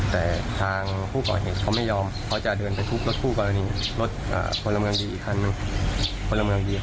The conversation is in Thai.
แบบทางผู้ก่อเห็นเขาไม่ยอมเขาจะเดินไปธุบรถพิสุทธิ์การเลย